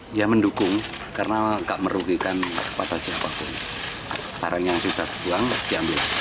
saya tidak menyerupai